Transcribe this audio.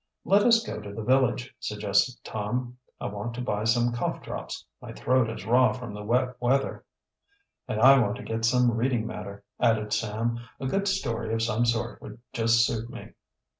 "Let us go to the village," suggested Tom. "I want to buy some cough drops. My throat is raw from the wet weather." "And I want to get some reading matter," added Sam. "A good story of some sort would just suit me."